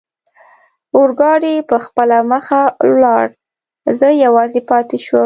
اورګاډي پخپله مخه ولاړ، زه یوازې پاتې شوم.